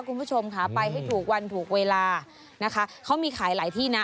คุณผู้ชมค่ะไปให้ถูกวันถูกเวลานะคะเขามีขายหลายที่นะ